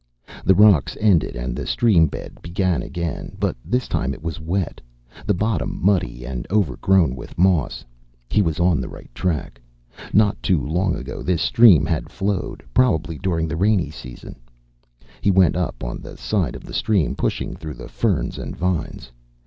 The rocks ended and the stream bed began again, but this time it was wet, the bottom muddy and overgrown with moss. He was on the right track; not too long ago this stream had flowed, probably during the rainy season. He went up on the side of the stream, pushing through the ferns and vines.